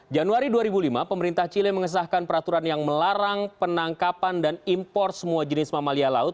januari dua ribu lima pemerintah chile mengesahkan peraturan yang melarang penangkapan dan impor semua jenis mamalia laut